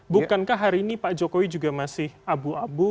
bukankah hari ini pak jokowi juga masih abu abu